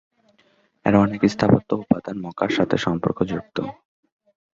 এর অনেক স্থাপত্য উপাদান মক্কার সাথে সম্পর্কযুক্ত।